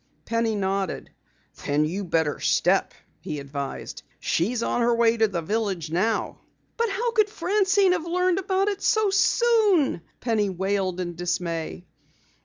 Penny nodded. "Then you better step," he advised. "She's on her way to the village now." "But how could Francine have learned about it so soon?" Penny wailed in dismay.